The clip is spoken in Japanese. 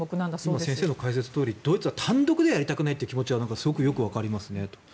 先生の解説とおりドイツは単独でやりたくないという気持ちはすごくよくわかりますねと。